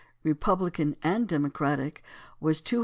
Republican and Democratic, was 230,291.